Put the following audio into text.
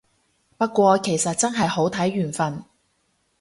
不過其實真係好睇緣份